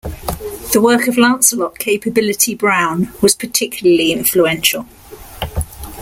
The work of Lancelot "Capability" Brown was particularly influential.